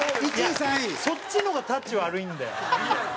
そっちの方がたち悪いんだよな。